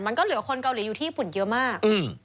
มันก็เหลือคนเกาหลีอยู่ที่ญี่ปุ่นเยอะมาก